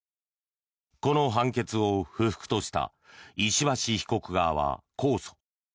この判決を不服とした石橋被告側は控訴。